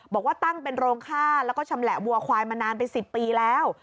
บอกว่าตั้งเป็นโรงค่าแล้วก็ชำแหละวัวควายมานานเป็น๑๐ปีแล้ว